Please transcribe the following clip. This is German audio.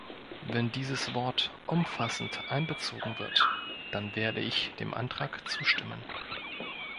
Wenn dieses Wort "umfassend" einbezogen wird, dann werde ich dem Antrag zustimmen.